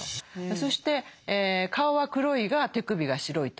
そして顔は黒いが手首が白いと。